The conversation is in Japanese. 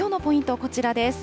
こちらです。